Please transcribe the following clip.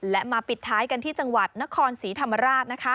และมาปิดท้ายกันที่จังหวัดนครศรีธรรมราชนะคะ